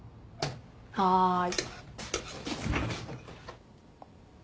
はい。